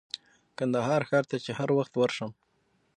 کندهار ښار ته چې هر وخت ورشم.